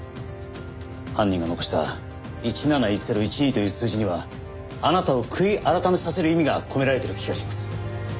犯人が残した「１７１０１２」という数字にはあなたを悔い改めさせる意味が込められている気がします。